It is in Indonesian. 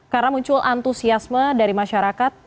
karena muncul antusiasme dari masyarakat